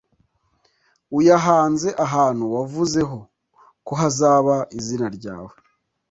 uyahanze ahantu wavuzeho ko hazaba izina ryawe